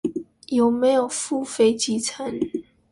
有沒有附飛機餐